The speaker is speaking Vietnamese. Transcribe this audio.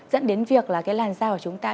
dẫn đến việc là làn da của chúng ta